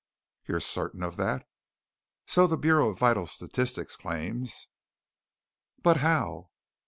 "You're certain of that?" "So the Bureau of Vital Statistics claims." "But how